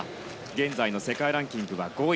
現在の世界ランキングは５位。